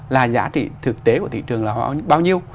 là giá trị thực tế của thị trường là họ bao nhiêu